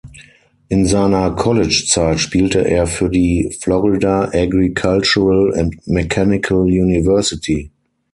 In seiner College-Zeit spielte er für die Florida Agricultural and Mechanical University.